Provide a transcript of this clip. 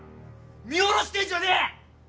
見下ろしてんじゃねえ！